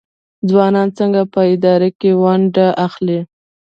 ځوانان څنګه په اداره کې ونډه اخلي؟